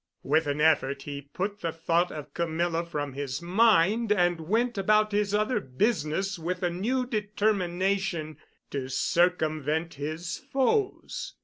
With an effort he put the thought of Camilla from his mind and went about his other business with a new determination to circumvent his foes.